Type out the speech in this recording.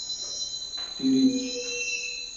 تِرچ